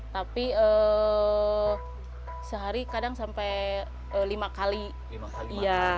tapi sehari kadang sampai lima kali